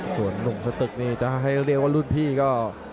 ส่วนหนุ่มสตึกนี่จะให้เรียกว่ารุ่นพี่ก็